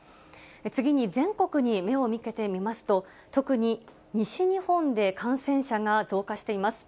次に全国に目を向けてみますと、特に西日本で感染者が増加しています。